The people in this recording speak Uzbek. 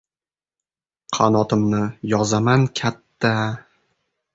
Qanotimni yozaman katta